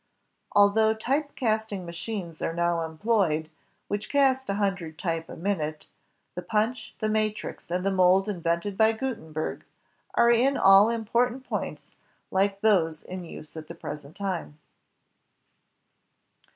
Although type casting machines are now employed, which cast a hundred type a minute, the punch, the matrix, and the mold invented by Gutenberg are in all important points like those in use at the present time.